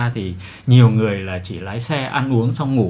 thì nhiều người là chỉ lái xe ăn uống xong ngủ